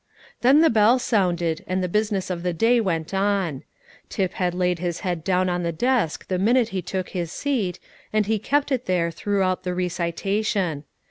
Then the bell sounded, and the business of the day went on. Tip had laid his head down on the desk the minute he took his seat, and he kept it there throughout the recitation.